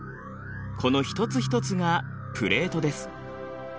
この一つ一つがプレートです。